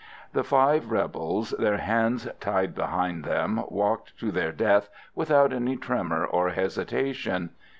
The five rebels, their hands tied behind them, walked to their death without any tremor or hesitation.